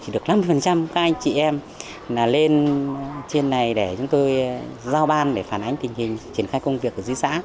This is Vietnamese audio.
để chúng tôi giao ban để phản ánh tình hình triển khai công việc ở dưới xã